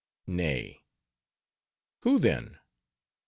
"Nay." "Who then?